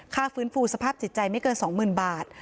ฟื้นฟูสภาพจิตใจไม่เกิน๒๐๐๐บาท